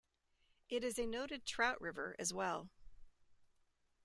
It is a noted trout river as well.